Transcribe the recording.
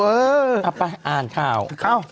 เอาไปอ่านข่าว